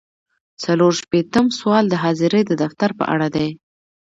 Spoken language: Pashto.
څلور شپیتم سوال د حاضرۍ د دفتر په اړه دی.